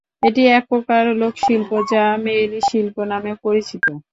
এটি এক প্রকার লোকশিল্প যা মেয়েলি শিল্প নামেও পরিচিত।